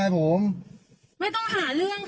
ไม่ไปก็คือไม่ไปค่ะ